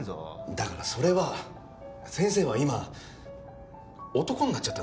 だからそれは先生は今男になっちゃったんです。